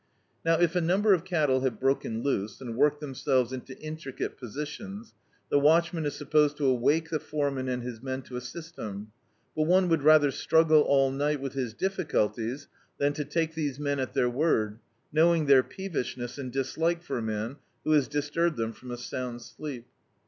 Now if a number of cattle have broken loose, and worked themselves into intricate positions, the watchman is supposed to awake the foreman and his men to assist him, but one would rather struggle all night with his difficulties than to take these men at their word, knowing their peevishness and dislike for a man who has disturbed them from a sound sleep.